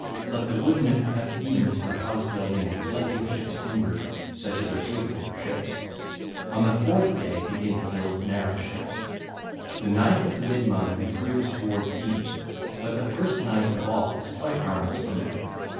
Let the woodman cut beams for house building and plenty of ships' timbers, such as are suitable for ships. On the fourth day begin to build narrow ships. (ll. 810 813) The ninth of the mid month improves towards evening; but the first ninth of all is quite harmless for men.